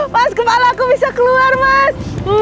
pas kepala aku bisa keluar mas